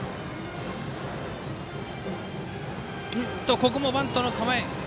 ここもバントの構え。